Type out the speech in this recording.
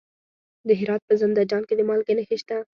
د هرات په زنده جان کې د مالګې نښې شته.